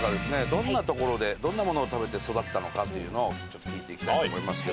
どんな所でどんなものを食べて育ったのかというのをちょっと聞いていきたいと思いますけども。